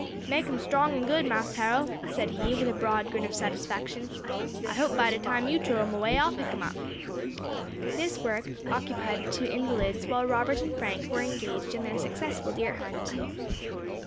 "Make 'em strong and good, Mas Harol," said he, with a broad grin of satisfaction. "I hope by time you trow 'em away, I'll pick 'em up." This work occupied the two invalids, while Robert and Frank were engaged in their successful deer hunt.